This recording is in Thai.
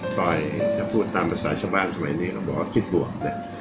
ปล่อยถ้าพูดตามภาษาชาวบ้านสมัยนี้เขาบอกว่าคิดบวกนะ